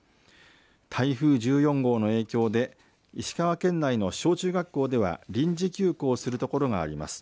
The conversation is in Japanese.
台風１４号の影響で石川県内の小中学校では臨時休校するところがあります。